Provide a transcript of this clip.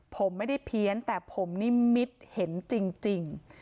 ผมไม่ได้เพี้ยนแต่ผมนิมิตเห็นจริง